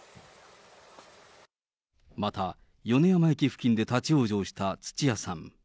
また、米山駅付近で立往生した土屋さん。